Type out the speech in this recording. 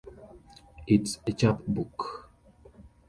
It's a chapbook.